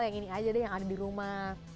yang ini aja deh yang ada di rumah